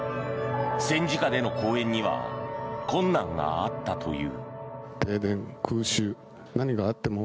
戦時下での公演には困難があったという。